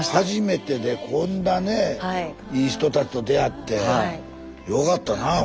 初めてでこんなねいい人たちと出会ってよかったな。